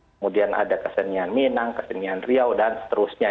kemudian ada kesenian minang kesenian riau dan seterusnya